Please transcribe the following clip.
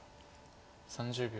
３０秒。